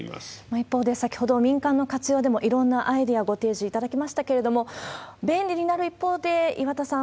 一方で、先ほど、民間の活用でもいろんなアイデアご提示いただきましたけれども、便利になる一方で、岩田さん、